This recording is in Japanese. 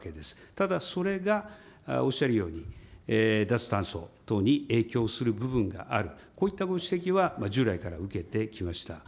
ただそれが、おっしゃるように、脱炭素等に影響する部分がある、こういったご指摘は従来から受けてきました。